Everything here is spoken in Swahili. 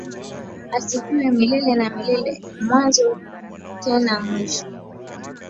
Na asifiwe milele na milele mwanzo tena mwisho.